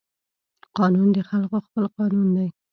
قانون د خلقو خپل قانون دى.